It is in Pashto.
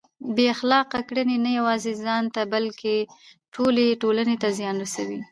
بې اخلاقه کړنې نه یوازې ځان ته بلکه ټولې ټولنې ته زیان رسوي.